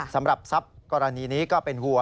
สำหรับทรัพย์กรณีนี้ก็เป็นห่วง